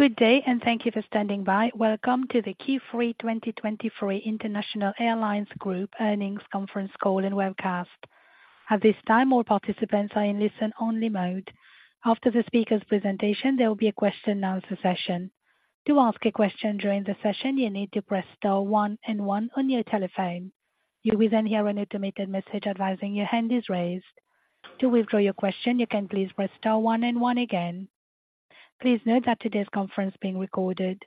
Good day, and thank you for standing by. Welcome to the Q3 2023 International Airlines Group earnings conference call and webcast. At this time, all participants are in listen-only mode. After the speaker's presentation, there will be a question and answer session. To ask a question during the session, you need to press star one and one on your telephone. You will then hear an automated message advising your hand is raised. To withdraw your question, you can please press star one and one again. Please note that today's conference is being recorded.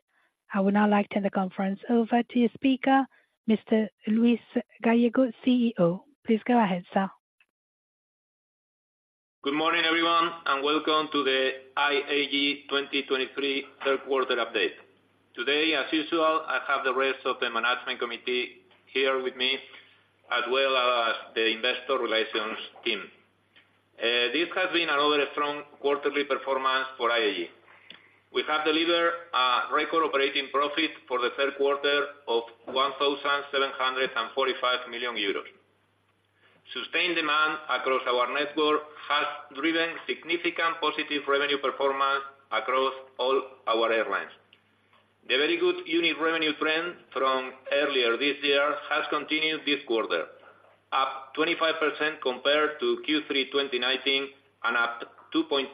I would now like to hand the conference over to your speaker, Mr. Luis Gallego, CEO. Please go ahead, sir. Good morning, everyone, and welcome to the IAG 2023 third quarter update. Today, as usual, I have the rest of the management committee here with me, as well as the investor relations team. This has been another strong quarterly performance for IAG. We have delivered a record operating profit for the third quarter of 1,745 million euros. Sustained demand across our network has driven significant positive revenue performance across all our airlines. The very good unit revenue trend from earlier this year has continued this quarter, up 25% compared to Q3 2019, and up 2.2%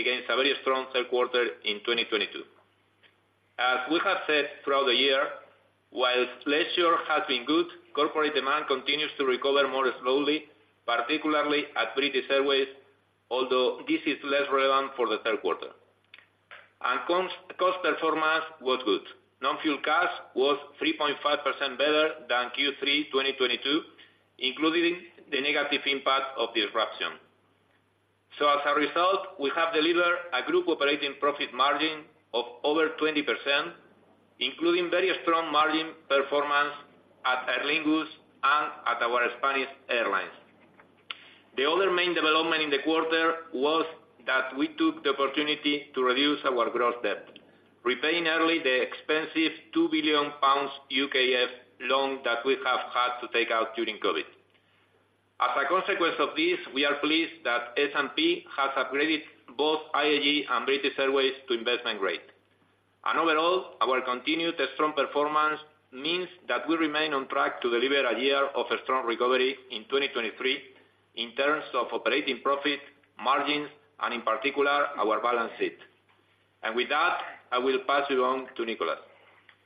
against a very strong third quarter in 2022. As we have said throughout the year, while leisure has been good, corporate demand continues to recover more slowly, particularly at British Airways, although this is less relevant for the third quarter. Cost performance was good. Non-fuel CASK was 3.5% better than Q3 2022, including the negative impact of the disruption. So as a result, we have delivered a group operating profit margin of over 20%, including very strong margin performance at Aer Lingus and at our Spanish airlines. The other main development in the quarter was that we took the opportunity to reduce our gross debt, repaying early the expensive 2 billion pounds UKEF loan that we have had to take out during COVID. As a consequence of this, we are pleased that S&P has upgraded both IAG and British Airways to investment grade. And overall, our continued strong performance means that we remain on track to deliver a year of a strong recovery in 2023 in terms of operating profit, margins, and in particular, our balance sheet. With that, I will pass you on to Nicholas.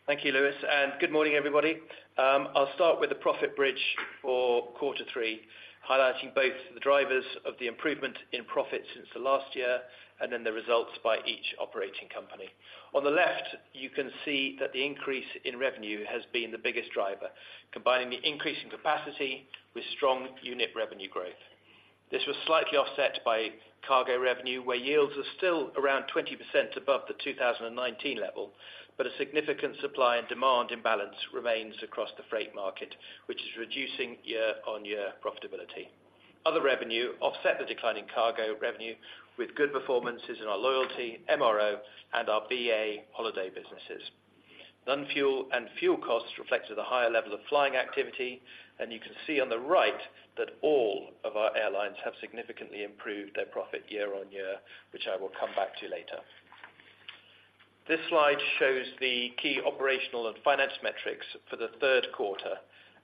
Thank you, Luis, and good morning, everybody. I'll start with the profit bridge for quarter three, highlighting both the drivers of the improvement in profit since the last year, and then the results by each operating company. On the left, you can see that the increase in revenue has been the biggest driver, combining the increase in capacity with strong unit revenue growth. This was slightly offset by cargo revenue, where yields are still around 20% above the 2019 level, but a significant supply and demand imbalance remains across the freight market, which is reducing year-on-year profitability. Other revenue offset the decline in cargo revenue with good performances in our loyalty, MRO, and our BA Holidays businesses. Non-fuel and fuel costs reflected a higher level of flying activity, and you can see on the right that all of our airlines have significantly improved their profit year-on-year, which I will come back to later. This slide shows the key operational and finance metrics for the third quarter,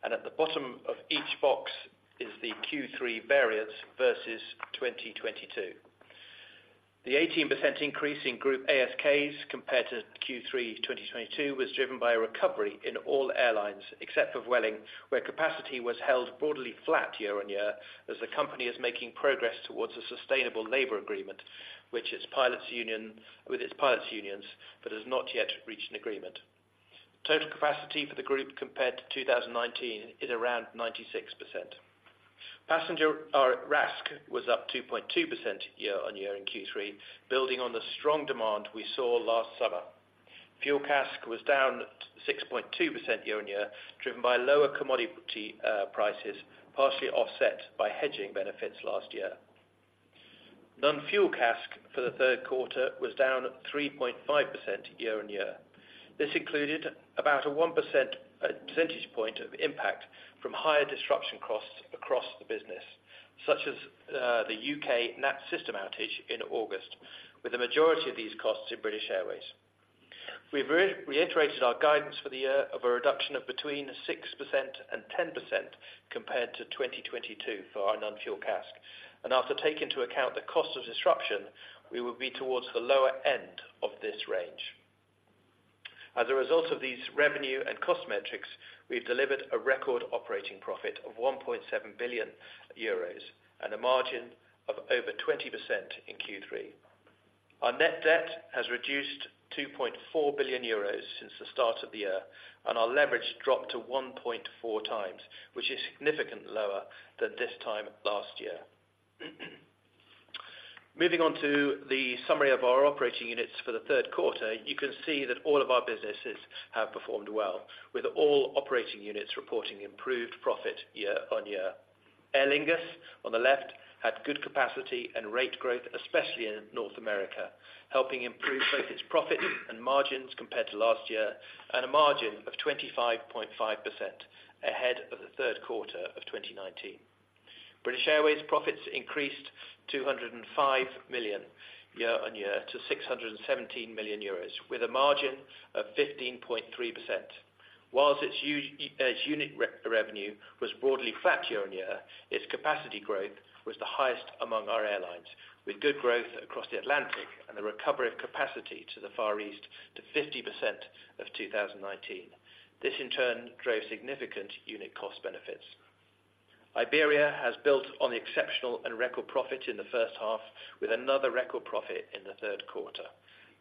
and at the bottom of each box is the Q3 variance versus 2022. The 18% increase in group ASKs compared to Q3 2022 was driven by a recovery in all airlines, except for Vueling, where capacity was held broadly flat year-on-year as the company is making progress towards a sustainable labor agreement with its pilots' unions, but has not yet reached an agreement. Total capacity for the group, compared to 2019, is around 96%. Passenger RASK, was up 2.2% year-on-year in Q3, building on the strong demand we saw last summer. Fuel CASK was down 6.2% year-on-year, driven by lower commodity prices, partially offset by hedging benefits last year. Non-fuel CASK for the third quarter was down 3.5% year-on-year. This included about a 1% percentage point of impact from higher disruption costs across the business, such as the UK NATS system outage in August, with the majority of these costs in British Airways. We've reiterated our guidance for the year of a reduction of between 6% and 10% compared to 2022 for our non-fuel CASK, and after taking into account the cost of disruption, we will be towards the lower end of this range. As a result of these revenue and cost metrics, we've delivered a record operating profit of 1.7 billion euros and a margin of over 20% in Q3. Our net debt has reduced 2.4 billion euros since the start of the year, and our leverage dropped to 1.4 times, which is significantly lower than this time last year. Moving on to the summary of our operating units for the third quarter, you can see that all of our businesses have performed well, with all operating units reporting improved profit year-on-year. Aer Lingus, on the left, had good capacity and rate growth, especially in North America, helping improve both its profit and margins compared to last year, and a margin of 25.5% ahead of the third quarter of 2019.... British Airways profits increased to 105 million year-on-year to 617 million euros, with a margin of 15.3%. While its unit revenue was broadly flat year-on-year, its capacity growth was the highest among our airlines, with good growth across the Atlantic and the recovery of capacity to the Far East to 50% of 2019. This in turn drove significant unit cost benefits. Iberia has built on the exceptional and record profit in the first half, with another record profit in the third quarter.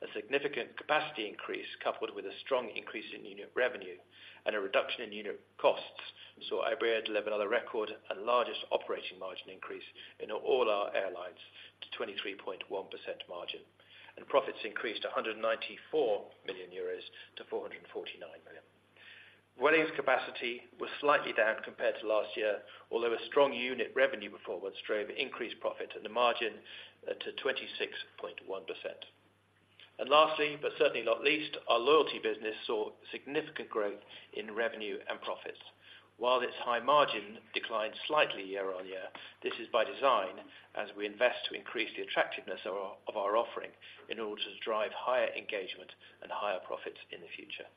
A significant capacity increase, coupled with a strong increase in unit revenue and a reduction in unit costs, saw Iberia deliver another record and largest operating margin increase in all our airlines to 23.1% margin, and profits increased to 194 million euros to 449 million. Vueling's capacity was slightly down compared to last year, although a strong unit revenue performance drove increased profit and the margin to 26.1%. Lastly, but certainly not least, our loyalty business saw significant growth in revenue and profits. While its high margin declined slightly year-on-year, this is by design as we invest to increase the attractiveness of our, of our offering in order to drive higher engagement and higher profits in the future.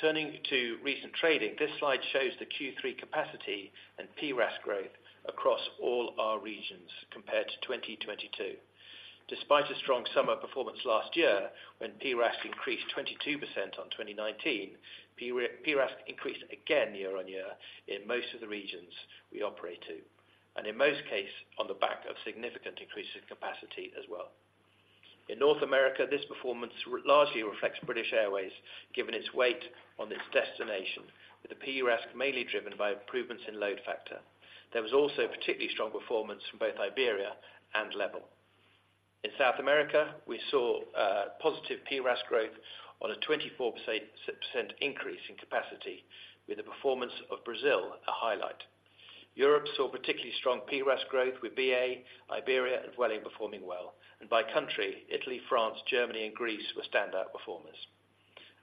Turning to recent trading, this slide shows the Q3 capacity and PRASK growth across all our regions compared to 2022. Despite a strong summer performance last year, when PRASK increased 22% on 2019, PRASK increased again year-on-year in most of the regions we operate to, and in most cases, on the back of significant increases in capacity as well. In North America, this performance largely reflects British Airways, given its weight on this destination, with the PRASK mainly driven by improvements in load factor. There was also particularly strong performance from both Iberia and Level. In South America, we saw positive PRASK growth on a 24% increase in capacity, with the performance of Brazil a highlight. Europe saw particularly strong PRASK growth with BA, Iberia, and Vueling performing well, and by country, Italy, France, Germany, and Greece were standout performers.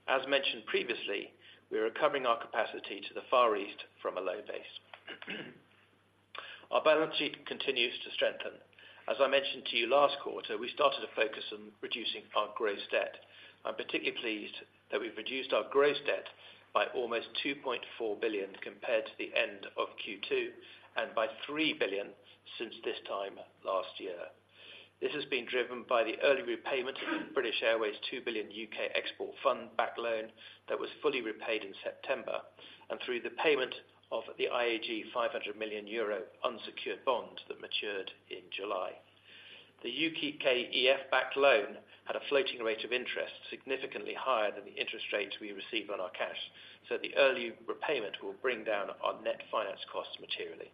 As mentioned previously, we are recovering our capacity to the Far East from a low base. Our balance sheet continues to strengthen. As I mentioned to you last quarter, we started to focus on reducing our gross debt. I'm particularly pleased that we've reduced our gross debt by almost 2.4 billion compared to the end of Q2, and by 3 billion since this time last year. This has been driven by the early repayment of British Airways' 2 billion UK Export Fund backed loan that was fully repaid in September, and through the payment of the IAG 500 million euro unsecured bond that matured in July. The UKEF-backed loan had a floating rate of interest, significantly higher than the interest rate we received on our cash, so the early repayment will bring down our net finance costs materially.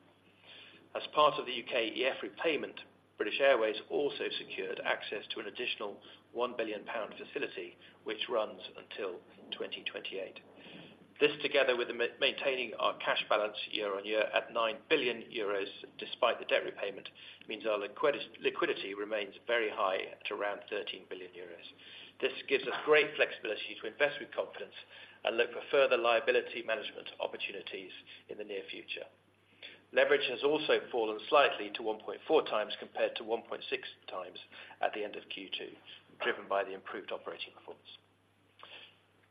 As part of the UKEF repayment, British Airways also secured access to an additional 1 billion pound facility, which runs until 2028. This, together with maintaining our cash balance year-on-year at 9 billion euros, despite the debt repayment, means our liquidity remains very high at around 13 billion euros. This gives us great flexibility to invest with confidence and look for further liability management opportunities in the near future. Leverage has also fallen slightly to 1.4 times compared to 1.6 times at the end of Q2, driven by the improved operating performance.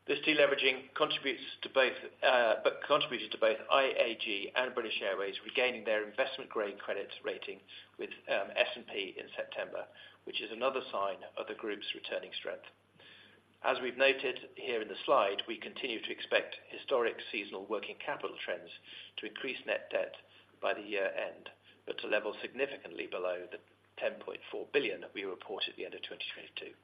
This deleveraging contributes to both, but contributed to both IAG and British Airways regaining their investment-grade credit rating with S&P in September, which is another sign of the Group's returning strength. As we've noted here in the slide, we continue to expect historic seasonal working capital trends to increase net debt by the year-end, but to level significantly below the 10.4 billion that we reported at the end of 2022.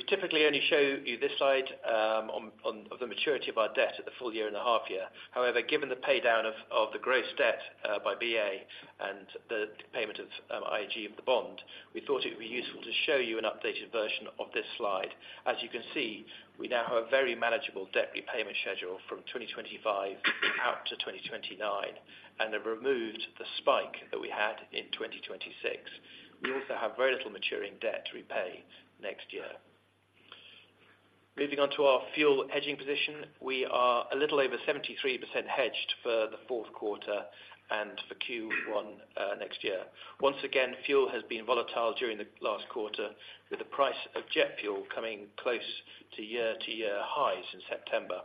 We typically only show you this slide on the maturity of our debt at the full year and half year. However, given the pay down of the gross debt by BA and the payment by IAG of the bond, we thought it would be useful to show you an updated version of this slide. As you can see, we now have a very manageable debt repayment schedule from 2025 out to 2029, and have removed the spike that we had in 2026. We also have very little maturing debt to repay next year. Moving on to our fuel hedging position, we are a little over 73% hedged for the fourth quarter and for Q1 next year. Once again, fuel has been volatile during the last quarter, with the price of jet fuel coming close to year-to-year highs in September.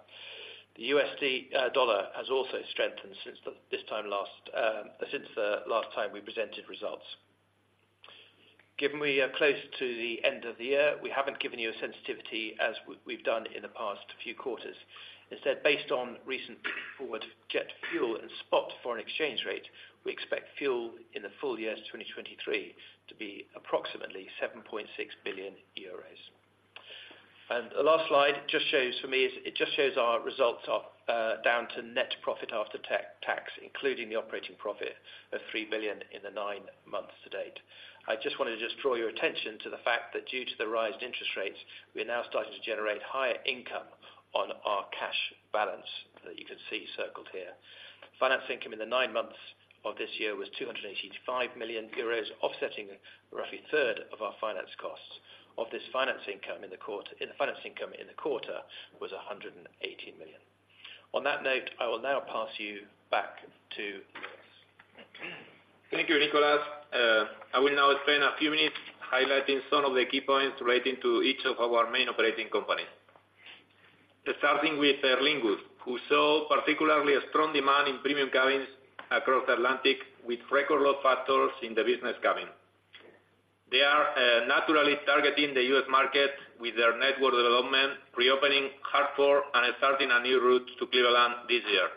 The US dollar has also strengthened since this time last since the last time we presented results. Given we are close to the end of the year, we haven't given you a sensitivity as we've done in the past few quarters. Instead, based on recent forward jet fuel and spot foreign exchange rate, we expect fuel in the full year 2023 to be approximately 7.6 billion euros. The last slide just shows for me, it just shows our results down to net profit after tax, including the operating profit of 3 billion in the nine months to date. I just wanted to just draw your attention to the fact that due to the rise in interest rates, we are now starting to generate higher income on our cash balance that you can see circled here. Finance income in the nine months of this year was 285 million euros, offsetting roughly a third of our finance costs. Of this finance income in the quarter, in the finance income in the quarter was 118 million. On that note, I will now pass you back to Luis. Thank you, Nicholas. I will now spend a few minutes highlighting some of the key points relating to each of our main operating companies. Starting with Aer Lingus, who saw particularly a strong demand in premium cabins across Atlantic, with record load factors in the business cabin. They are naturally targeting the U.S. market with their network development, reopening Hartford and starting a new route to Cleveland this year.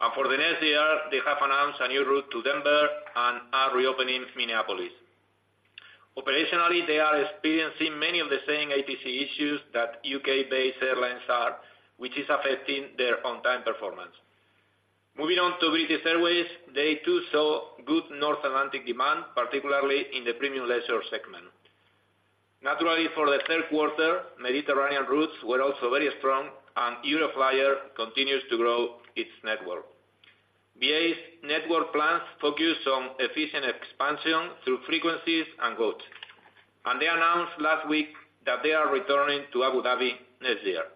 And for the next year, they have announced a new route to Denver and are reopening Minneapolis. Operationally, they are experiencing many of the same ATC issues that U.K.-based airlines are, which is affecting their on-time performance. Moving on to British Airways, they too saw good North Atlantic demand, particularly in the premium leisure segment. Naturally, for the third quarter, Mediterranean routes were also very strong, and Euroflyer continues to grow its network. BA's network plans focus on efficient expansion through frequencies and growth, and they announced last week that they are returning to Abu Dhabi next year.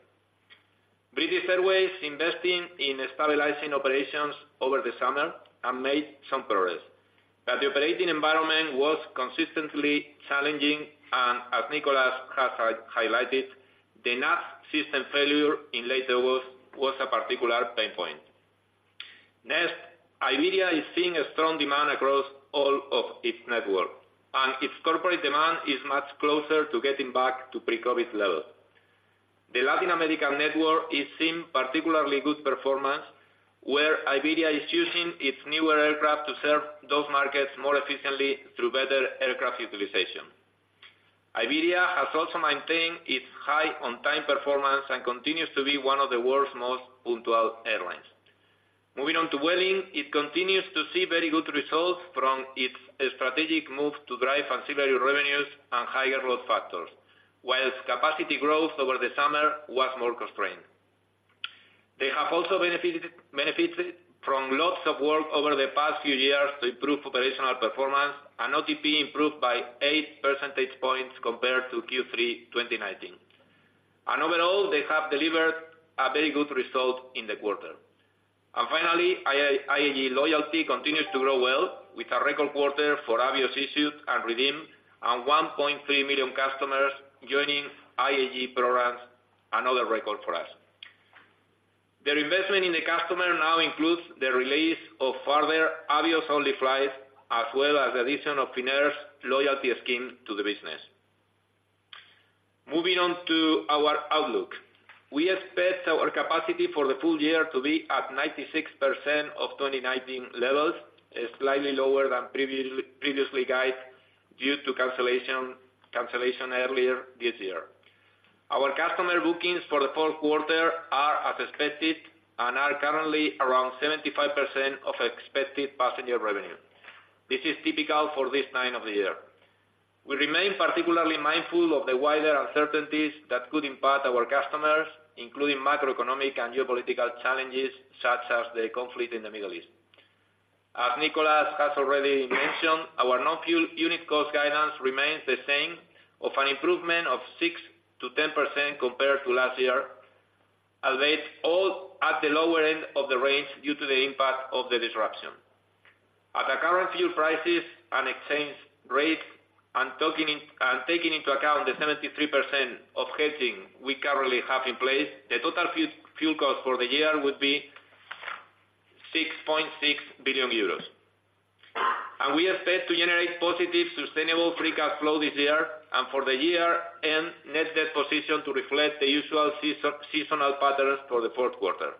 British Airways investing in stabilizing operations over the summer and made some progress, but the operating environment was consistently challenging, and as Nicholas has highlighted, the NATS system failure in late August was a particular pain point. Next, Iberia is seeing a strong demand across all of its network, and its corporate demand is much closer to getting back to pre-COVID level. The Latin American network is seeing particularly good performance, where Iberia is using its newer aircraft to serve those markets more efficiently through better aircraft utilization. Iberia has also maintained its high on-time performance and continues to be one of the world's most punctual airlines. Moving on to Vueling, it continues to see very good results from its strategic move to drive ancillary revenues and higher load factors, while capacity growth over the summer was more constrained. They have also benefited from lots of work over the past few years to improve operational performance, and OTP improved by eight percentage points compared to Q3 2019. And overall, they have delivered a very good result in the quarter. And finally, IAG Loyalty continues to grow well, with a record quarter for Avios issued and redeemed, and 1.3 million customers joining IAG programs, another record for us. Their investment in the customer now includes the release of further Avios-only flights, as well as the addition of Finnair's loyalty scheme to the business. Moving on to our outlook. We expect our capacity for the full year to be at 96% of 2019 levels, slightly lower than previously guided, due to cancellations earlier this year. Our customer bookings for the fourth quarter are as expected and are currently around 75% of expected passenger revenue. This is typical for this time of the year. We remain particularly mindful of the wider uncertainties that could impact our customers, including macroeconomic and geopolitical challenges, such as the conflict in the Middle East. As Nicholas has already mentioned, our non-fuel unit cost guidance remains the same, of an improvement of 6%-10% compared to last year, albeit all at the lower end of the range due to the impact of the disruption. At the current fuel prices and exchange rates, and talking in, and taking into account the 73% of hedging we currently have in place, the total fuel cost for the year would be 6.6 billion euros. We expect to generate positive, sustainable free cash flow this year and for the year end net debt position to reflect the usual seasonal patterns for the fourth quarter.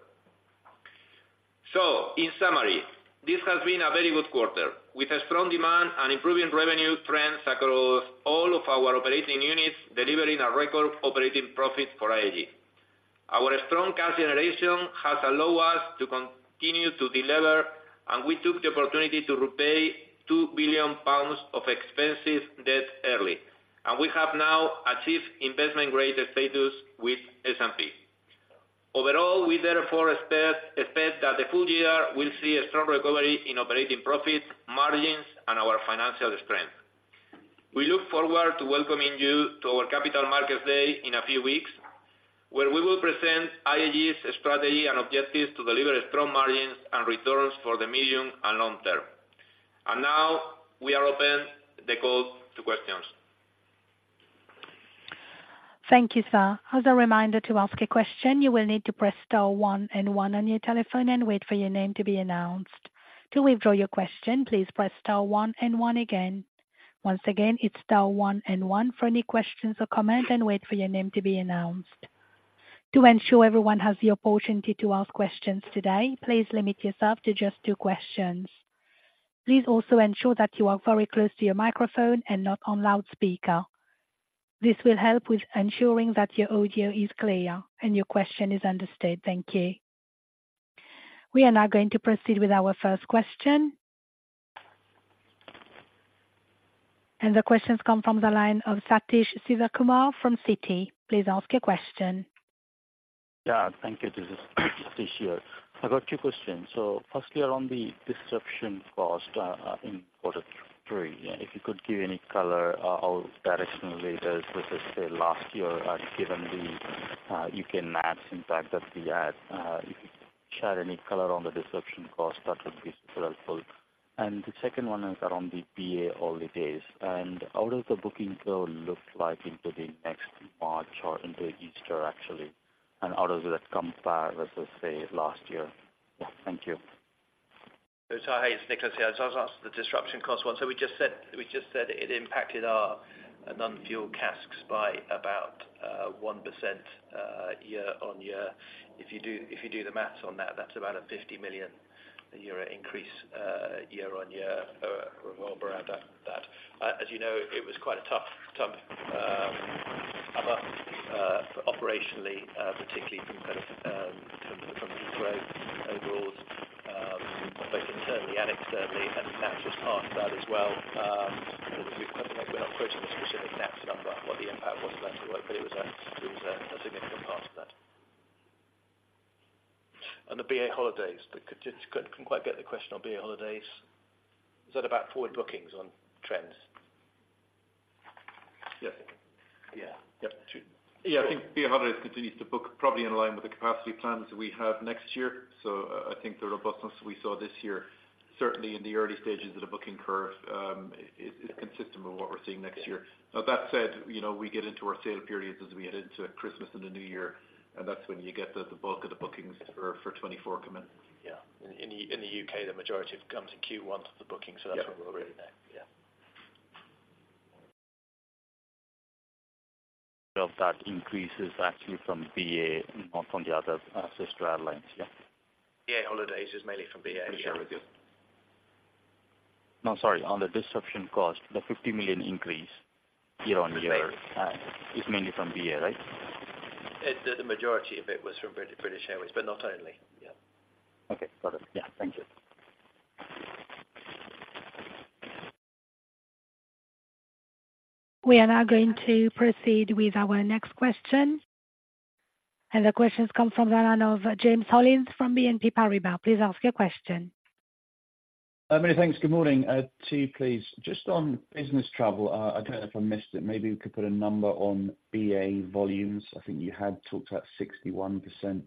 In summary, this has been a very good quarter, with a strong demand and improving revenue trends across all of our operating units, delivering a record operating profit for IAG. Our strong cash generation has allowed us to continue to deliver, and we took the opportunity to repay 2 billion pounds of expensive debt early, and we have now achieved investment-grade status with S&P. Overall, we therefore expect that the full year will see a strong recovery in operating profit, margins, and our financial strength. We look forward to welcoming you to our Capital Markets Day in a few weeks, where we will present IAG's strategy and objectives to deliver strong margins and returns for the medium and long term. Now, we are open the call to questions. Thank you, sir. As a reminder, to ask a question, you will need to press star one and one on your telephone and wait for your name to be announced. To withdraw your question, please press star one and one again. Once again, it's star one and one for any questions or comments and wait for your name to be announced. To ensure everyone has the opportunity to ask questions today, please limit yourself to just two questions. Please also ensure that you are very close to your microphone and not on loudspeaker. This will help with ensuring that your audio is clear and your question is understood. Thank you. We are now going to proceed with our first question. The questions come from the line of Sathish Sivakumar from Citi. Please ask your question. Yeah, thank you. This is Sathish here. I got two questions. So firstly, around the disruption cost, in quarter three, if you could give any color, or directionally, as let's just say last year, given the UK NATS ucertain, if you could shed any color on the disruption cost, that would be helpful. And the second one is around the BA Holidays, and how does the bookings flow look like into the next March or into Easter, actually? And how does that compare, let's just say, last year? Yeah, thank you. So hi, it's Nicholas here. So I'll answer the disruption cost one. So we just said, we just said it impacted our non-fuel CASKs by about 1%, year-on-year. If you do, if you do the math on that, that's about a 50 million euro increase, year-on-year, or around that. As you know, it was quite a tough, tough operationally, particularly from kind of in terms of from growth overalls, both internally and externally, and that was part of that as well. I think we're not putting a specific exact number what the impact was to that, but it was a significant part of that. On the BA Holidays, but could just couldn't quite get the question on BA Holidays. Is that about forward bookings on trends? Yes. Yeah. Yep, true. Yeah, I think BA Holidays continues to book probably in line with the capacity plans we have next year. So I think the robustness we saw this year, certainly in the early stages of the booking curve, is consistent with what we're seeing next year. Now, that said, you know, we get into our sale periods as we head into Christmas and the New Year, and that's when you get the bulk of the bookings for 2024 come in. Yeah. In the U.K., the majority of it comes in Q1 for the bookings- Yeah. So that's what we're already now. Yeah. Well, that increases actually from BA, not from the other sister airlines. Yeah. BA Holidays is mainly from BA, yeah. British Airways. No, sorry. On the disruption cost, the 50 million increase year-on-year- Sure. Is mainly from BA, right? The majority of it was from British Airways, but not only, yeah. Okay, got it. Yeah. Thank you. We are now going to proceed with our next question. The question comes from the line of James Hollins from BNP Paribas. Please ask your question. Many thanks. Good morning. Two, please. Just on business travel, I don't know if I missed it. Maybe you could put a number on BA volumes. I think you had talked about 61%,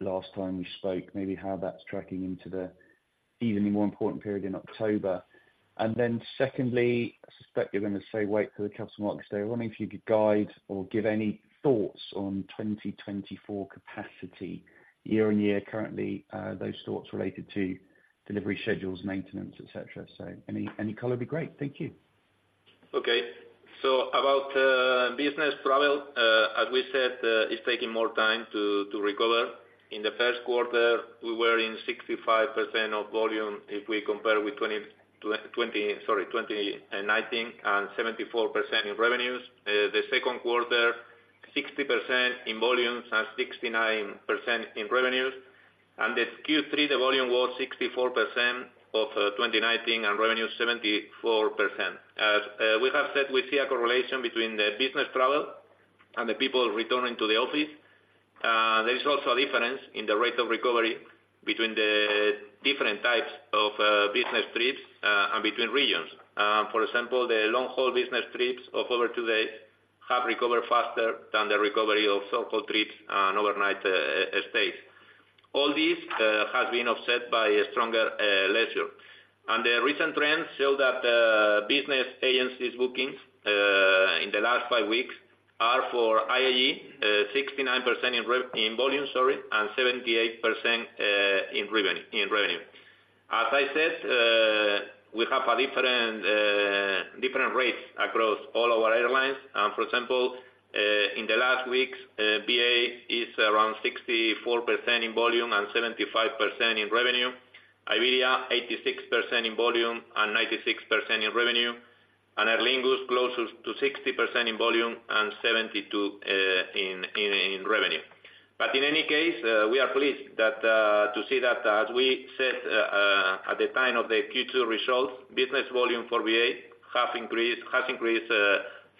last time we spoke. Maybe how that's tracking into the even more important period in October. And then secondly, I suspect you're going to say wait for the customer market today. I'm wondering if you could guide or give any thoughts on 2024 capacity year-on-year. Currently, those thoughts related to delivery schedules, maintenance, etc. So any color would be great. Thank you. Okay. So about business travel, as we said, it's taking more time to recover. In the first quarter, we were at 65% of volume if we compare with 2019, and 74% in revenues. The second quarter, 60% in volumes and 69% in revenues. And Q3, the volume was 64% of 2019 and revenue 74%. As we have said, we see a correlation between business travel and the people returning to the office. There is also a difference in the rate of recovery between the different types of business trips and between regions. For example, the long-haul business trips of over two days have recovered faster than the recovery of short-haul trips and overnight stays. All this has been offset by a stronger leisure. The recent trends show that business agencies bookings in the last five weeks are for IAG 69% in volume, sorry, and 78% in revenue. As I said, we have a different different rates across all our airlines. For example, in the last weeks, BA is around 64% in volume and 75% in revenue. Iberia, 86% in volume and 96% in revenue. And Aer Lingus, closer to 60% in volume and 72% in revenue. In any case, we are pleased that to see that as we said, at the time of the Q2 results, business volume for BA has increased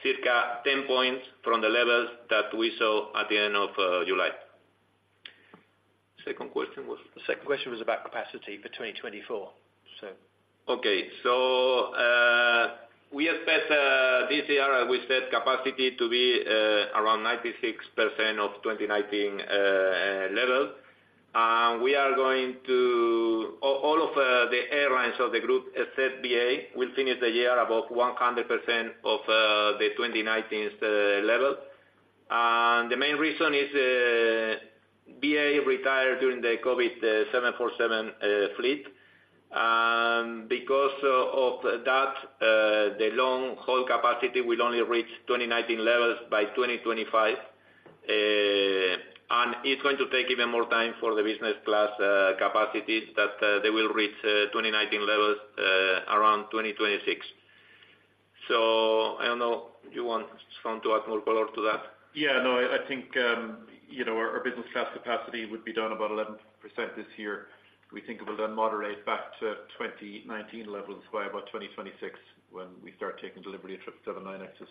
circa 10 points from the levels that we saw at the end of July. The second question was about capacity for 2024, so. Okay. So, we expect this year we set capacity to be around 96% of 2019 level. And we are going to all of the airlines of the group, except BA, will finish the year above 100% of the 2019 level. And the main reason is, BA retired during the COVID 747 fleet. Because of that, the long-haul capacity will only reach 2019 levels by 2025. And it's going to take even more time for the business class capacities, that they will reach 2019 levels around 2026. So-... Do you want Sean to add more color to that? Yeah, no, I think, you know, our business class capacity would be down about 11% this year. We think it will then moderate back to 2019 levels by about 2026, when we start taking delivery of 777-9Xs.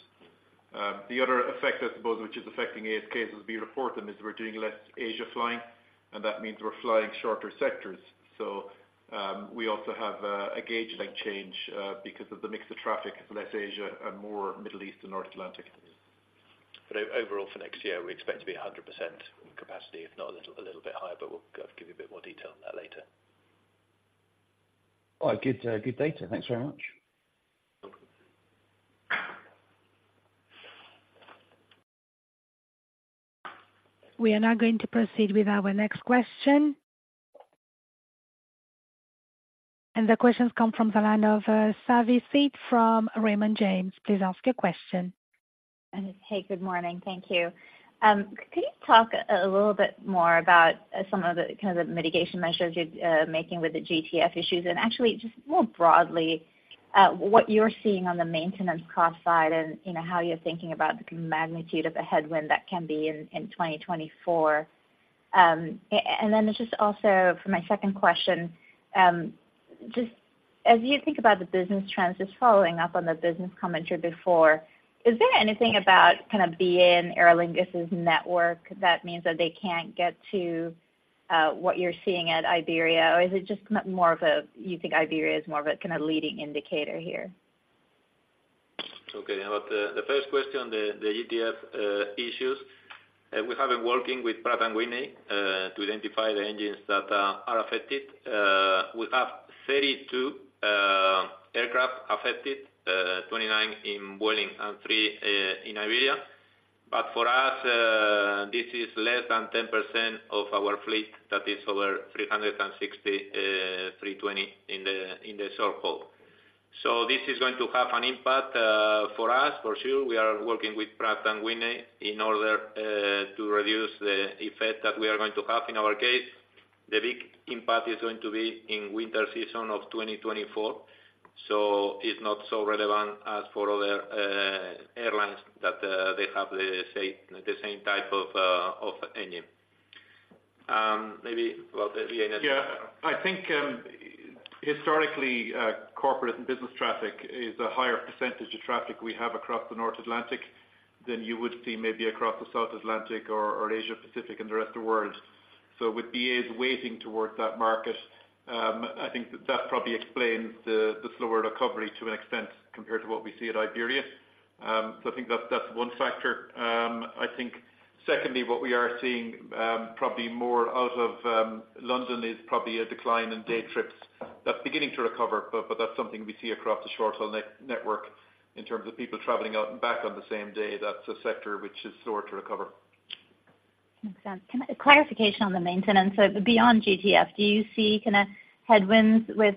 The other effect, I suppose, which is affecting ASK as we report them, is we're doing less Asia flying, and that means we're flying shorter sectors. So, we also have a gauge-like change because of the mix of traffic, less Asia and more Middle East and North Atlantic. Overall, for next year, we expect to be 100% capacity, if not a little, a little bit higher, but we'll give you a bit more detail on that later. All right, good, good data. Thanks very much. Welcome. We are now going to proceed with our next question. The question comes from the line of, Savanthi Syth from Raymond James. Please ask your question. Hey, good morning. Thank you. Could you talk a little bit more about some of the kind of the mitigation measures you're making with the GTF issues, and actually just more broadly, what you're seeing on the maintenance cost side and, you know, how you're thinking about the magnitude of a headwind that can be in 2024? And then just also for my second question, just as you think about the business trends, just following up on the business commentary before, is there anything about kind of BA and Aer Lingus's network that means that they can't get to, what you're seeing at Iberia? Or is it just more of a, you think Iberia is more of a kind of leading indicator here? Okay. About the first question, the GTF issues. We have been working with Pratt & Whitney to identify the engines that are affected. We have 32 aircraft affected, 29 in Vueling and three in Iberia. For us, this is less than 10% of our fleet. That is over 360, 320 uncertain. This is going to have an impact for us, for sure. We are working with Pratt & Whitney in order to reduce the effect that we are going to have in our case. The big impact is going to be in winter season of 2024, so it's not so relevant as for other airlines that have the same type of engine. Maybe about the AN- Yeah. I think historically, corporate and business traffic is a higher percentage of traffic we have across the North Atlantic than you would see maybe across the South Atlantic or Asia Pacific and the rest of world. So with BA's weighting towards that market, I think that probably explains the slower recovery to an extent compared to what we see at Iberia. So I think that's one factor. I think secondly, what we are seeing probably more out of London is probably a decline in day trips. That's beginning to recover, but that's something we see across the short-haul network in terms of people traveling out and back on the same day. That's a sector which is slower to recover. Makes sense. A clarification on the maintenance. So beyond GTF, do you see kind of headwinds with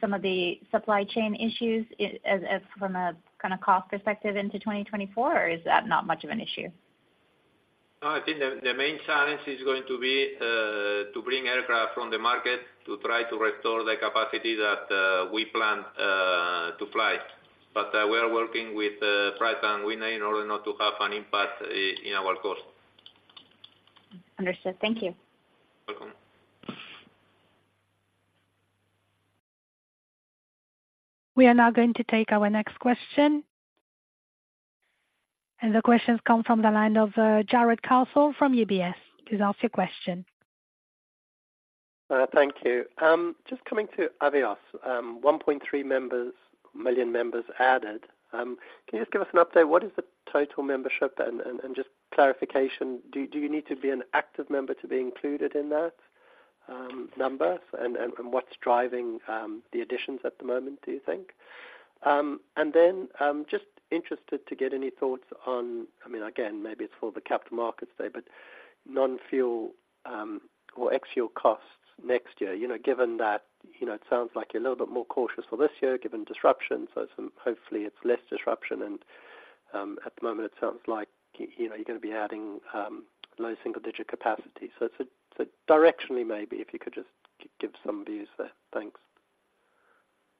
some of the supply chain issues as from a kind of cost perspective into 2024, or is that not much of an issue? No, I think the main challenge is going to be to bring aircraft from the market to try to restore the capacity that we planned to fly. But we are working with Pratt & Whitney in order not to have an impact in our cost. Understood. Thank you. Welcome. We are now going to take our next question. The question comes from the line of Jarrod Castle from UBS. Please ask your question. Thank you. Just coming to Avios, 1.3 million members added. Can you just give us an update, what is the total membership? And just clarification, do you need to be an active member to be included in that number? And what's driving the additions at the moment, do you think? And then, I'm just interested to get any thoughts on, I mean, again, maybe it's for the Capital Markets today, but non-fuel or ex-fuel costs next year. You know, given that, it sounds like you're a little bit more cautious for this year, given disruptions, so hopefully it's less disruption. And at the moment, it sounds like, you're gonna be adding low single digit capacity. So, directionally, maybe if you could just give some views there. Thanks.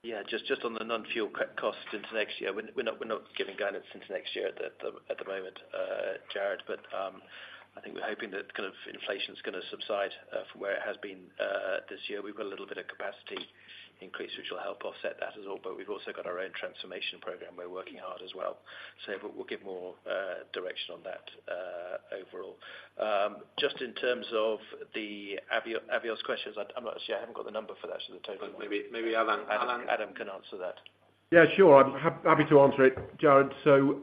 Yeah, just on the non-fuel costs into next year, we're not giving guidance into next year at the moment, Jarrod. But I think we're hoping that kind of inflation's gonna subside from where it has been this year. We've got a little bit of capacity increase, which will help offset that as well. But we've also got our own transformation program we're working hard as well. So but we'll give more direction on that overall. Just in terms of the Avios questions, actually I haven't got the number for that, so the total- Maybe, Adam. Adam can answer that. Yeah, sure. I'm happy to answer it, Jarrod. So,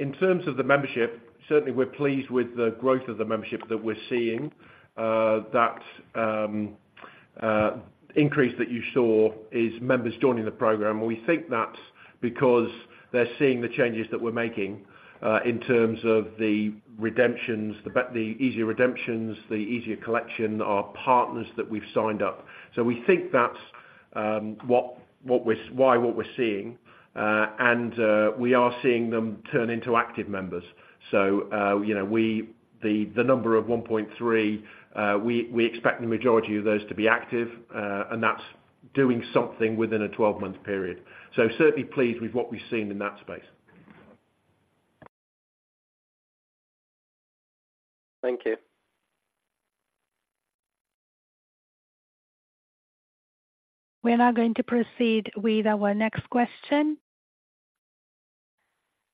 in terms of the membership, certainly we're pleased with the growth of the membership that we're seeing. That increase that you saw is members joining the program. We think that's because they're seeing the changes that we're making in terms of the redemptions, the easier redemptions, the easier collection, our partners that we've signed up. So we think that's what we're seeing, and we are seeing them turn into active members. So, you know, the number of 1.3, we expect the majority of those to be active, and that's-... doing something within a 12-month period. So certainly pleased with what we've seen in that space. Thank you. We are now going to proceed with our next question.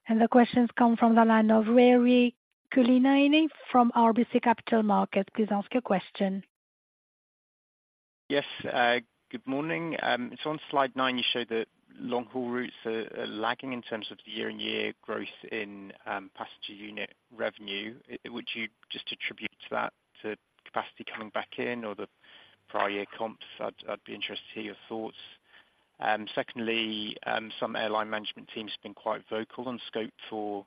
The question's come from the line of Ruairi Cullinane from RBC Capital Markets. Please ask your question. Yes, good morning. So on slide nine, you show that long-haul routes are lagging in terms of the year-on-year growth in passenger unit revenue. Would you just attribute to that, to capacity coming back in or the prior year comps? I'd be interested to hear your thoughts. Secondly, some airline management teams have been quite vocal on scope for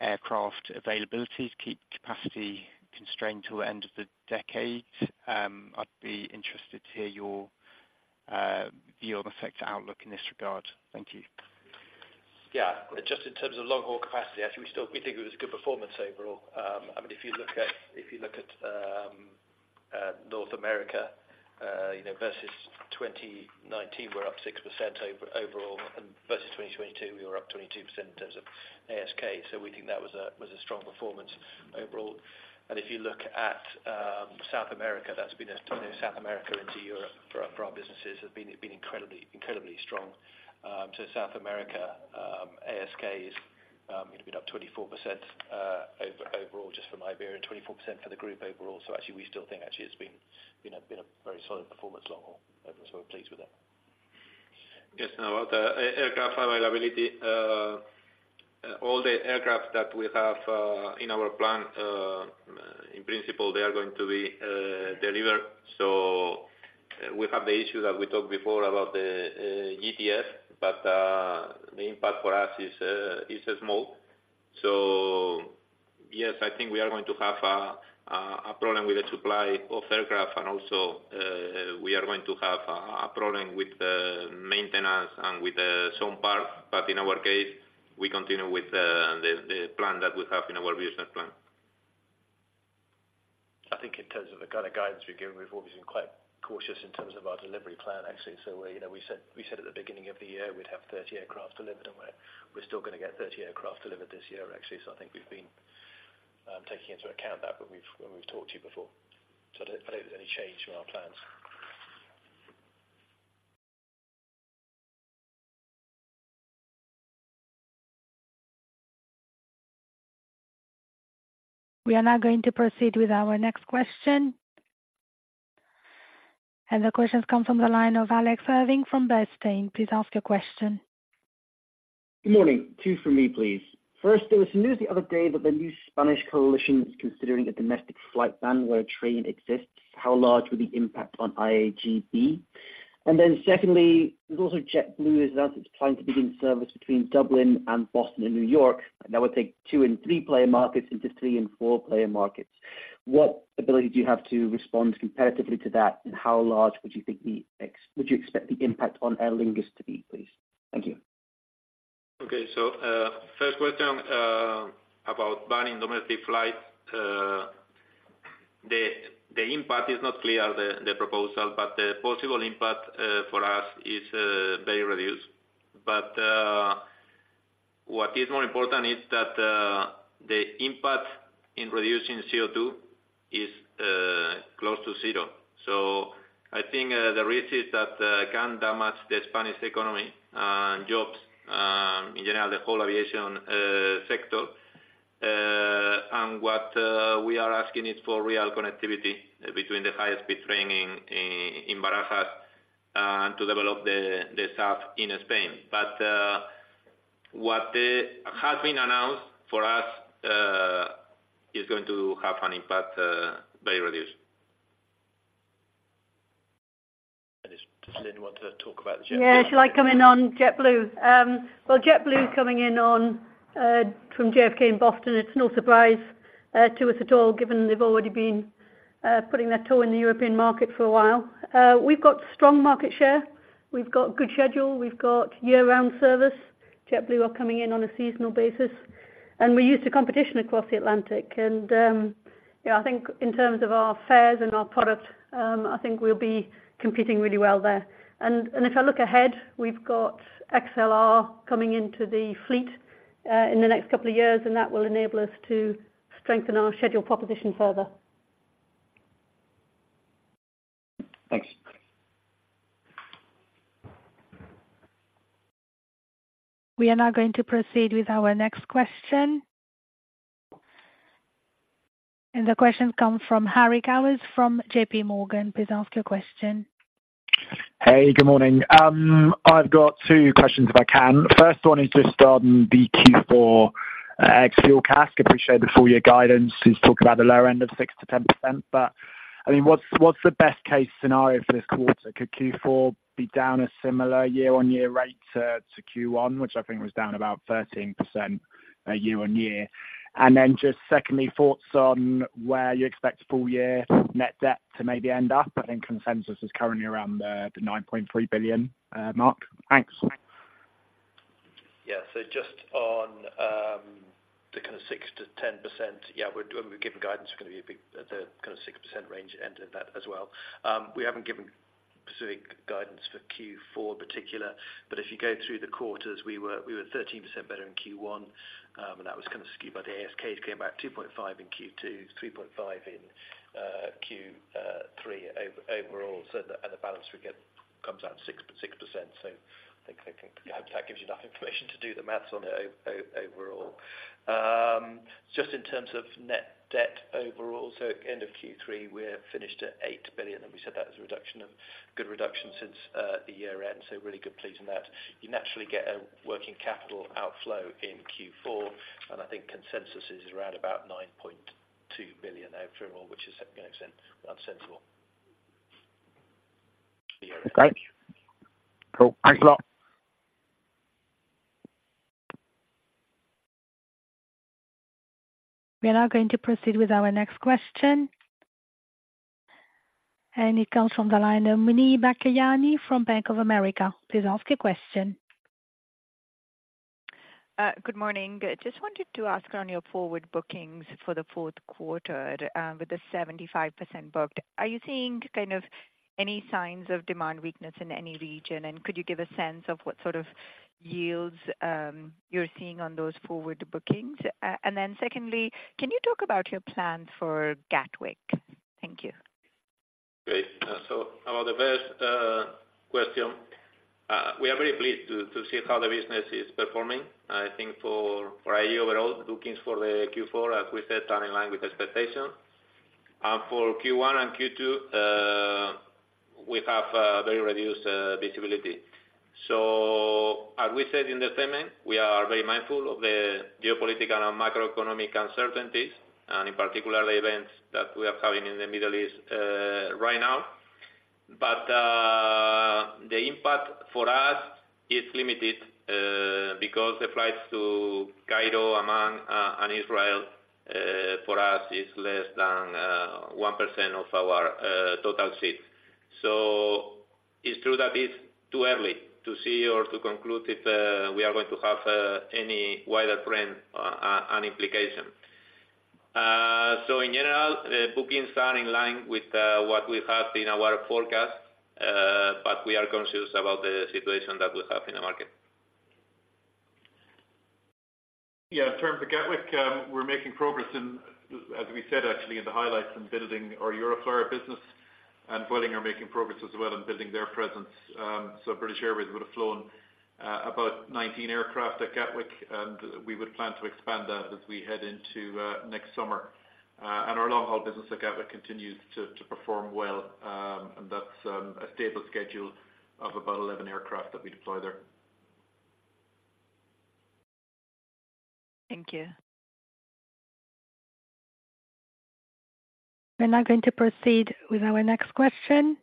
aircraft availability to keep capacity constrained till the end of the decade. I'd be interested to hear your view on the sector outlook in this regard. Thank you. Yeah. Just in terms of long-haul capacity, actually, we still, we think it was a good performance overall. I mean, if you look at North America, you know, versus 2019, we're up 6% overall, and versus 2022, we were up 22% in terms of ASK. So we think that was a strong performance overall. And if you look at South America, that's been a, South America into Europe for our, for our businesses, have been incredibly, incredibly strong. So South America ASK is, it'll be up 24% overall just for my Iberia, and 24% for the Group overall. So actually, we still think actually it's been a very solid performance long haul, so we're pleased with that. Yes, and about the aircraft availability, all the aircraft that we have in our plan, in principle, they are going to be delivered. So we have the issue that we talked before about the GTF, but the impact for us is small. So yes, I think we are going to have a problem with the supply of aircraft, and also we are going to have a problem with the maintenance and with some parts. But in our case, we continue with the plan that we have in our business plan. I think in terms of the kind of guidance we've given before, we've been quite cautious in terms of our delivery plan, actually. So we're, you know, we said, we said at the beginning of the year, we'd have 30 aircraft delivered, and we're, we're still gonna get 30 aircraft delivered this year, actually. So I think we've been taking into account that when we've, when we've talked to you before. So I don't, I don't think there's any change in our plans. We are now going to proceed with our next question. The question's come from the line of Alex Irving from Bernstein. Please ask your question. Good morning. Two for me, please. First, there was some news the other day that the new Spanish coalition is considering a domestic flight ban where a train exists. How large would the impact on IAG be? And then secondly, there's also JetBlue has announced it's planning to begin service between Dublin and Boston and New York, and that would take 2- and 3-player markets into three and four player markets. What ability do you have to respond competitively to that? And how large would you expect the impact on Aer Lingus to be, please? Thank you. Okay. So, first question about banning domestic flights. The impact is not clear, the proposal, but the possible impact for us is very reduced. But what is more important is that the impact in reducing CO2 is close to zero. So I think the risk is that can damage the Spanish economy, jobs, in general, the whole aviation sector. And what we are asking is for real connectivity between the high-speed train in Barajas and to develop the south in Spain. But what has been announced for us is going to have an impact very reduced. Does Lynne want to talk about the JetBlue? Yeah, I'd like come in on JetBlue. Well, JetBlue coming in on from JFK and Boston, it's no surprise to us at all, given they've already been putting their toe in the European market for a while. We've got strong market share, we've got good schedule, we've got year-round service. JetBlue are coming in on a seasonal basis, and we're used to competition across the Atlantic. And, yeah, I think in terms of our fares and our product, I think we'll be competing really well there. And, if I look ahead, we've got XLR coming into the fleet in the next couple of years, and that will enable us to strengthen our schedule proposition further. Thanks. We are now going to proceed with our next question. The question comes from Harry Gowers, from JPMorgan. Please ask your question. Hey, good morning. I've got two questions, if I can. First one is just on the Q4 ex-fuel CASK. Appreciate the full year guidance. You talked about the lower end of 6%-10%, but, I mean, what's the best case scenario for this quarter? Could Q4 be down a similar year-on-year rate to Q1, which I think was down about 13%, year on year? And then just secondly, thoughts on where you expect full year net debt to maybe end up. I think consensus is currently around the 9.3 billion mark. Thanks.... yeah, we're, when we've given guidance, is gonna be a big at the kind of 6% range end of that as well. We haven't given specific guidance for Q4 in particular, but if you go through the quarters, we were 13% better in Q1. And that was kind of skewed by the ASK came back 2.5% in Q2, 3.5% in Q3 overall. So the balance we get comes out 6%. So I think that gives you enough information to do the math on the overall. Just in terms of net debt overall, so end of Q3, we're finished at 8 billion, and we said that was a good reduction since the year end. So really good pleased in that. You naturally get a working capital outflow in Q4, and I think consensus is around about 9.2 billion overall, which is, you know, that's sensible. Great. Cool. Thanks a lot. We are now going to proceed with our next question, and it comes from the line of Muneeba Kayani from Bank of America. Please ask your question. Good morning. Just wanted to ask on your forward bookings for the fourth quarter, with the 75% booked. Are you seeing kind of any signs of demand weakness in any region? Could you give a sense of what sort of yields you're seeing on those forward bookings? And then secondly, can you talk about your plan for Gatwick? Thank you. Great. So about the first question, we are very pleased to see how the business is performing. I think for IAG overall, bookings for the Q4, as we said, are in line with expectation. And for Q1 and Q2, we have very reduced visibility. So as we said in the statement, we are very mindful of the geopolitical and macroeconomic uncertainties, and in particular events that we are having in the Middle East right now. But the impact for us is limited because the flights to Cairo, Amman, and Israel for us is less than 1% of our total seats. So it's true that it's too early to see or to conclude if we are going to have any wider trend and implication. So in general, the bookings are in line with what we have in our forecast, but we are conscious about the situation that we have in the market. Yeah, in terms of Gatwick, we're making progress in, as we said, actually in the highlights, in building our Euroflyer business, and Vueling are making progress as well in building their presence. So British Airways would have flown about 19 aircraft at Gatwick, and we would plan to expand that as we head into next summer. And our long-haul business at Gatwick continues to perform well. And that's a stable schedule of about 11 aircraft that we deploy there. Thank you. We're now going to proceed with our next question,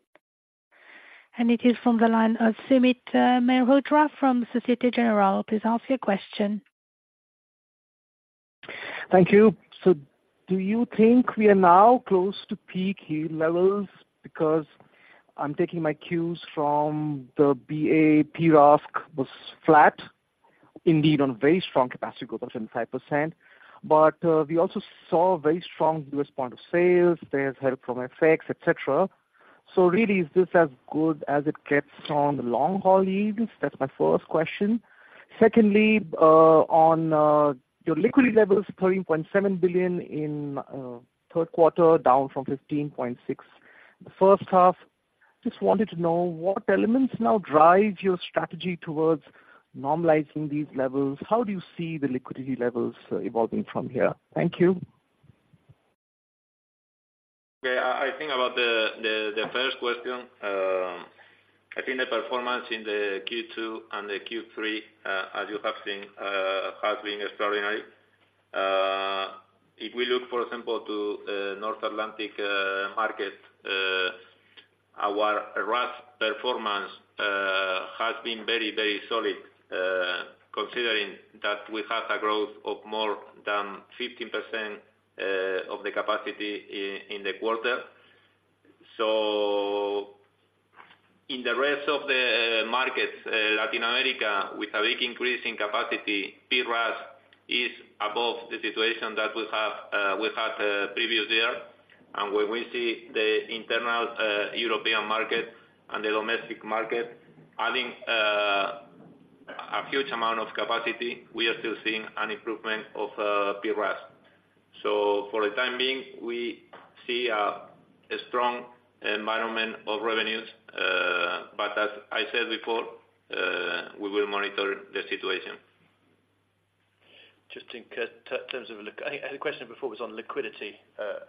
and it is from the line of Sumit Mehrotra from Société Générale. Please ask your question. Thank you. So do you think we are now close to peak yield levels? Because I'm taking my cues from the BA PRASK was flat, indeed, on very strong capacity growth of 7.5%. But, we also saw a very strong U.S. point of sales. There's help from FX, et cetera. So really, is this as good as it gets on the long-haul yields? That's my first question. Secondly, on, your liquidity levels, 13.7 billion in, third quarter, down from 15.6 billion the first half. Just wanted to know what elements now drive your strategy towards normalizing these levels. How do you see the liquidity levels, evolving from here? Thank you. Yeah, I think about the first question. I think the performance in the Q2 and the Q3, as you have seen, has been extraordinary. If we look, for example, to North Atlantic market, our RASK performance has been very, very solid, considering that we have a growth of more than 15% of the capacity in the quarter. So in the rest of the markets, Latin America, with a big increase in capacity, PRASK is above the situation that we had previous year. And when we see the internal European market and the domestic market adding a huge amount of capacity, we are still seeing an improvement of PRASK. So for the time being, we see a strong environment of revenues, but as I said before, we will monitor the situation. Just in terms of liquidity, the question before was on liquidity,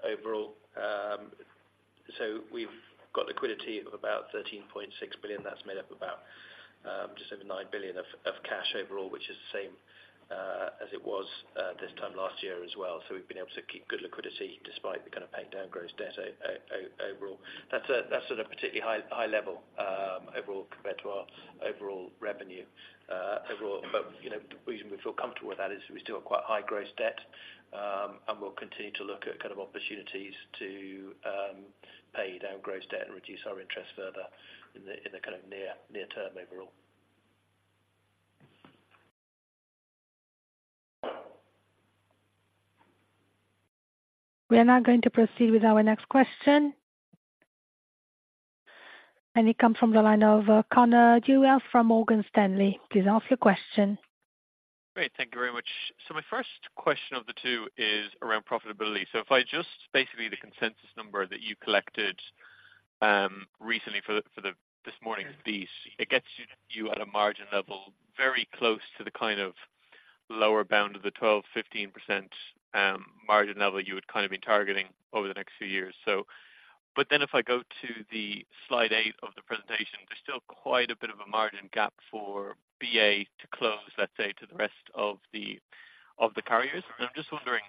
overall. So we've got liquidity of about 13.6 billion. That's made up about just over 9 billion of cash overall, which is the same as it was this time last year as well. So we've been able to keep good liquidity despite the kind of paying down gross debt overall. That's at a particularly high level, overall, compared to our overall revenue, overall. But, you know, the reason we feel comfortable with that is we still have quite high gross debt. And we'll continue to look at kind of opportunities to pay down gross debt and reduce our interest further in the kind of near term overall. We are now going to proceed with our next question. It comes from the line of Conor Dwyer from Morgan Stanley. Please ask your question. Great. Thank you very much. So my first question of the two is around profitability. So if I just basically, the consensus number that you collected recently for this morning's piece, it gets you at a margin level very close to the kind of lower bound of the 12%-15% margin level you would kind of be targeting over the next few years. But then if I go to slide eight of the presentation, there's still quite a bit of a margin gap for BA to close, let's say, to the rest of the carriers. And I'm just wondering,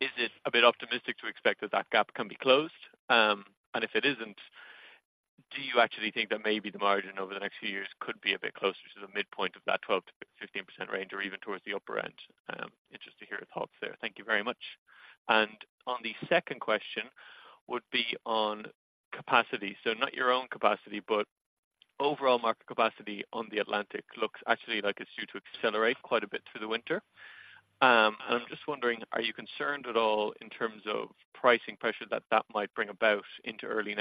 is it a bit optimistic to expect that that gap can be closed? And if it isn't, do you actually think that maybe the margin over the next few years could be a bit closer to the midpoint of that 12%-15% range or even towards the upper end? Interested to hear your thoughts there. Thank you very much. And on the second question, would be on capacity. So not your own capacity, but overall market capacity on the Atlantic looks actually like it's due to accelerate quite a bit through the winter. I'm just wondering, are you concerned at all in terms of pricing pressure that that might bring about into early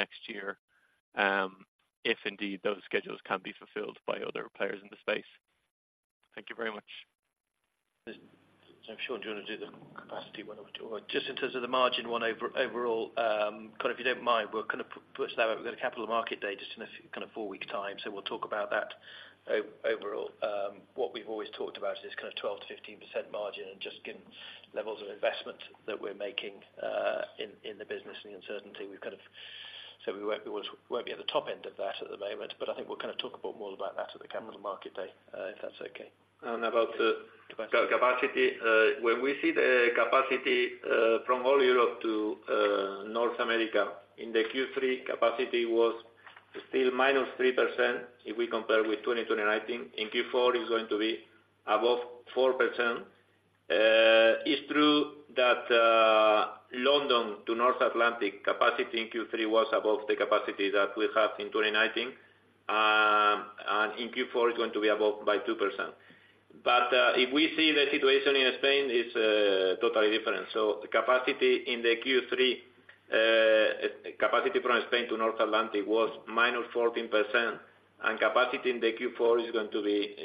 next year, if indeed, those schedules can be fulfilled by other players in the space? Thank you very much. So Sean, do you want to do the capacity one or do you want... Just in terms of the margin one overall, Conor, if you don't mind, we'll kind of put that we've got a capital market day just in a kind of four-week time, so we'll talk about that overall. What we've always talked about is this kind of 12%-15% margin, and just given levels of investment that we're making in the business and the uncertainty, we've kind of— So we won't be at the top end of that at the moment, but I think we'll kind of talk about more about that at the capital market day, if that's okay. About the capacity, when we see the capacity from all Europe to North America, in the Q3, capacity was still -3%, if we compare with 2022 to 2019. In Q4, is going to be +4%. It's true that London to North Atlantic capacity in Q3 was above the capacity that we have in 2019. And in Q4, it's going to be above by +2%. If we see the situation in Spain, it's totally different. So capacity in the Q3, capacity from Spain to North Atlantic was -14%, and capacity in the Q4 is going to be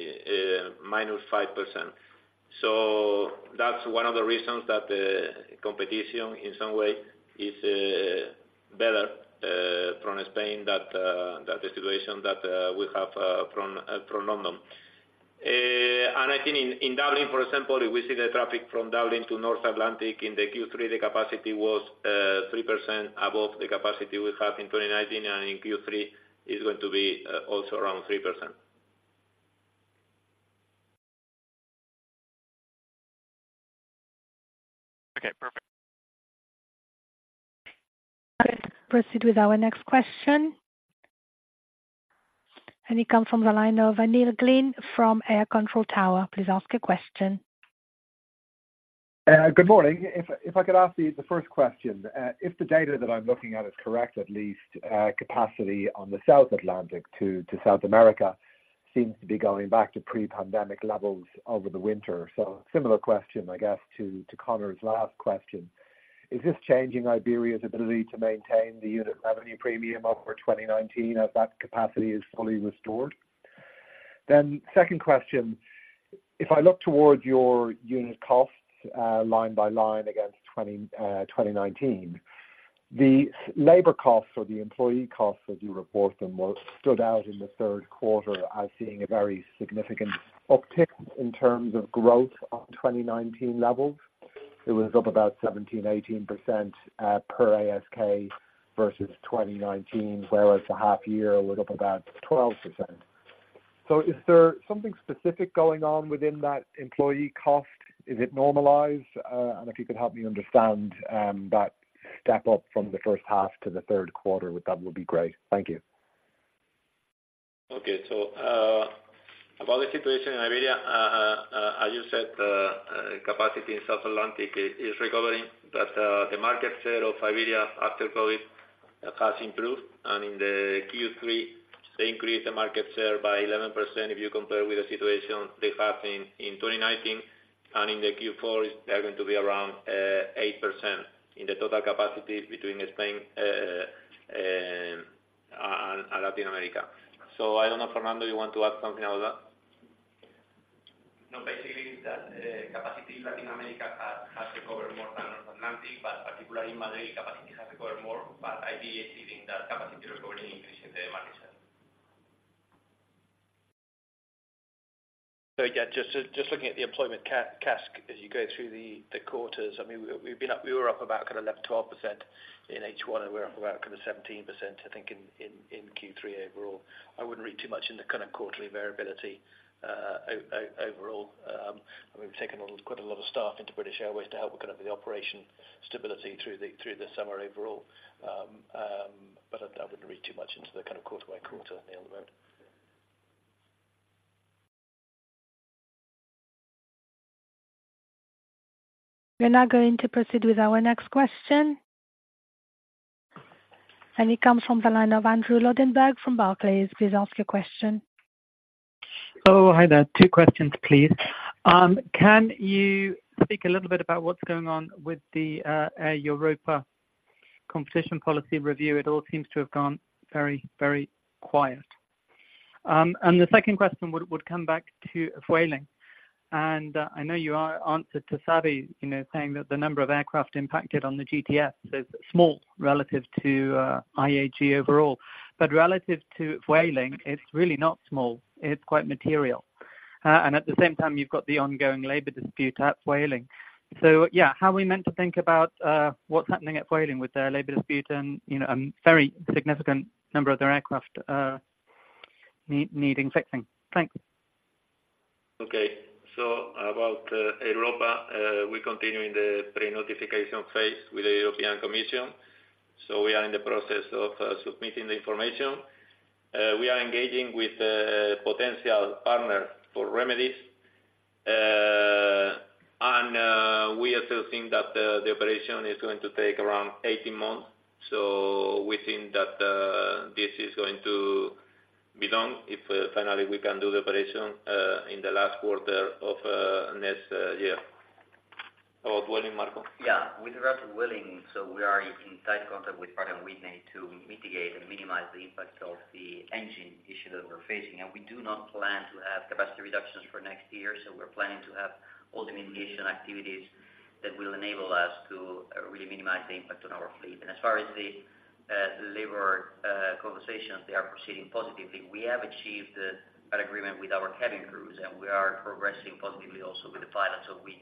minus 5%. So that's one of the reasons that competition in some way is better from Spain than the situation that we have from London. I think in, in Dublin, for example, if we see the traffic from Dublin to North Atlantic in the Q3, the capacity was 3% above the capacity we have in 2019, and in Q3 is going to be also around 3%. Okay, perfect. Proceed with our next question. It comes from the line of Neil Glynn from Air Control Tower. Please ask your question. Good morning. If I could ask you the first question, if the data that I'm looking at is correct, at least, capacity on the South Atlantic to South America seems to be going back to pre-pandemic levels over the winter. So similar question, I guess, to Conor's last question. Is this changing Iberia's ability to maintain the unit revenue premium over 2019, as that capacity is fully restored? Then second question: If I look towards your unit costs, line by line against 2019, the labor costs or the employee costs, as you report them, stood out in the third quarter as seeing a very significant uptick in terms of growth on 2019 levels. It was up about 17%-18% per ASK versus 2019, whereas the half year was up about 12%. So is there something specific going on within that employee cost? Is it normalized? And if you could help me understand that step up from the first half to the third quarter, that would be great. Thank you. Okay. So, about the situation in Iberia, as you said, capacity in South Atlantic is recovering, but the market share of Iberia after COVID has improved. And in the Q3, they increased the market share by 11%, if you compare with the situation they have in 2019. And in the Q4, they are going to be around 8% in the total capacity between Spain and Latin America. So I don't know, Fernando, you want to add something about that? No, basically, the capacity in Latin America has, has recovered more than North Atlantic, but particularly in Madrid, capacity has recovered more, but I believe that capacity recovering, increasing the market share. So yeah, just looking at the employment CASK as you go through the quarters, I mean, we were up about kind of 11%-12% in H1, and we're up about kind of 17%, I think, in Q3 overall. I wouldn't read too much into kind of quarterly variability overall. I mean, we've taken on quite a lot of staff into British Airways to help with kind of the operation stability through the summer overall. But I wouldn't read too much into the kind of quarter by quarter at the moment. ... We're now going to proceed with our next question. It comes from the line of Andrew Lobbenberg from Barclays. Please ask your question. Oh, hi there. Two questions, please. Can you speak a little bit about what's going on with the Air Europa competition policy review? It all seems to have gone very, very quiet. And the second question would come back to Vueling, and I know you already answered to Savi, you know, saying that the number of aircraft impacted on the GTF is small relative to IAG overall. But relative to Vueling, it's really not small, it's quite material. And at the same time, you've got the ongoing labor dispute at Vueling. So yeah, how are we meant to think about what's happening at Vueling with their labor dispute and, you know, a very significant number of their aircraft needing fixing? Thanks. Okay. So about Air Europa, we continue in the pre-notification phase with the European Commission, so we are in the process of submitting the information. We are engaging with a potential partner for remedies. And we still think that the operation is going to take around 18 months, so we think that this is going to be long if finally we can do the operation in the last quarter of next year. How about Vueling, Marco? Yeah, with regard to Vueling, so we are in tight contact with Pratt & Whitney to mitigate and minimize the impact of the engine issue that we're facing. And we do not plan to have capacity reductions for next year, so we're planning to have all the mitigation activities that will enable us to really minimize the impact on our fleet. And as far as the labor conversations, they are proceeding positively. We have achieved an agreement with our cabin crews, and we are progressing positively also with the pilots. So we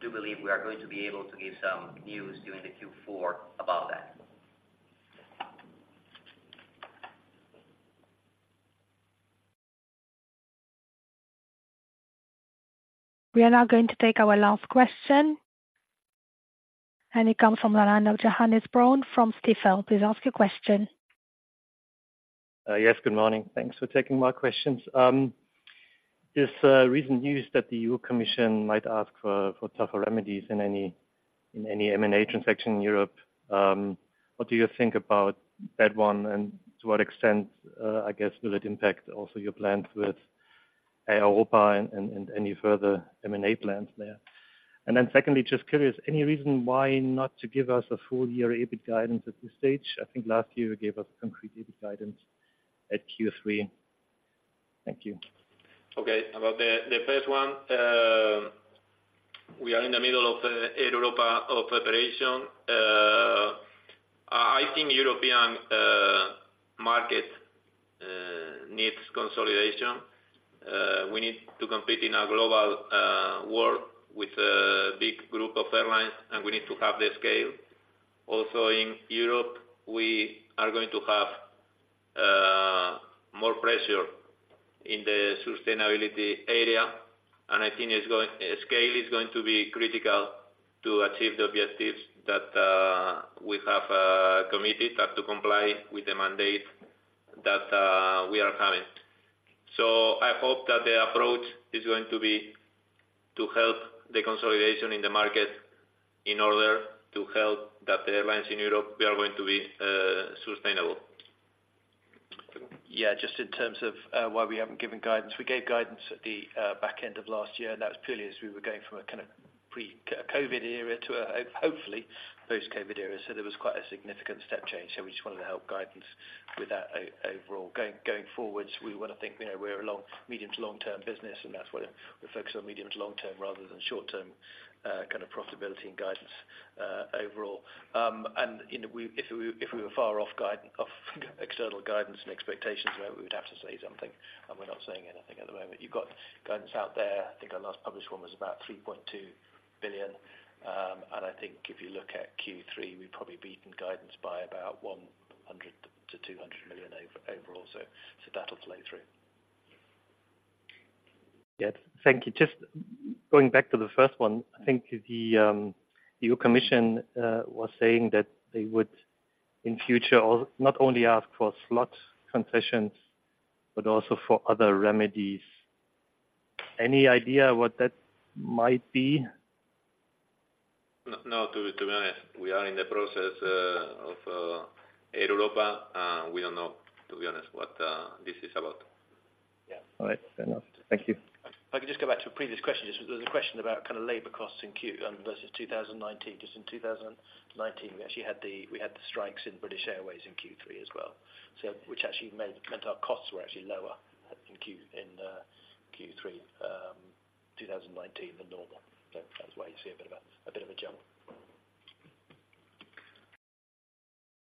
do believe we are going to be able to give some news during the Q4 about that. We are now going to take our last question, and it comes from the line of Johannes Braun from Stifel. Please ask your question. Yes, good morning. Thanks for taking my questions. This recent news that the EU Commission might ask for tougher remedies in any M&A transaction in Europe, what do you think about that one? And to what extent, I guess, will it impact also your plans with Air Europa and any further M&A plans there? And then secondly, just curious, any reason why not to give us a full year EBIT guidance at this stage? I think last year you gave us concrete EBIT guidance at Q3. Thank you. Okay. About the first one, we are in the middle of Air Europa preparation. I think European market needs consolidation. We need to compete in a global world with a big group of airlines, and we need to have the scale. Also, in Europe, we are going to have more pressure in the sustainability area, and I think it's going... scale is going to be critical to achieve the objectives that we have committed, and to comply with the mandate that we are having. So I hope that the approach is going to be to help the consolidation in the market in order to help that the airlines in Europe, we are going to be sustainable. Yeah, just in terms of why we haven't given guidance. We gave guidance at the back end of last year, and that was purely as we were going from a kind of pre-COVID era to a, hopefully, post-COVID era. So there was quite a significant step change, so we just wanted to help guidance with that overall. Going forwards, we want to think, you know, we're a long, medium to long-term business, and that's why we focus on medium to long term rather than short term kind of profitability and guidance overall. And, you know, if we were far off external guidance and expectations, maybe we would have to say something, and we're not saying anything at the moment. You've got guidance out there. I think our last published one was about 3.2 billion. I think if you look at Q3, we've probably beaten guidance by about 100 million-200 million overall. So, that'll play through. Yeah. Thank you. Just going back to the first one, I think the EU Commission was saying that they would, in future, not only ask for slot concessions, but also for other remedies. Any idea what that might be? No, to be honest, we are in the process of Air Europa, and we don't know, to be honest, what this is about. Yeah. All right, fair enough. Thank you. If I could just go back to a previous question. There was a question about kind of labor costs in Q3 versus 2019. Just in 2019, we actually had the strikes in British Airways in Q3 as well, so which actually meant our costs were actually lower in Q3 2019 than normal. So that's why you see a bit of a jump.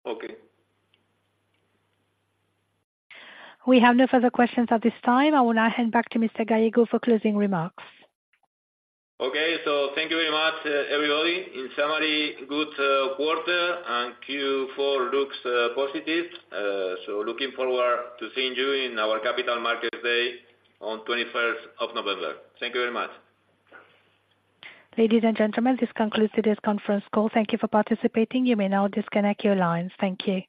Okay. We have no further questions at this time. I will now hand back to Mr. Gallego for closing remarks. Okay. So thank you very much, everybody. In summary, good quarter, and Q4 looks positive. So looking forward to seeing you in our Capital Markets Day on 21st of November. Thank you very much. Ladies and gentlemen, this concludes today's conference call. Thank you for participating. You may now disconnect your lines. Thank you.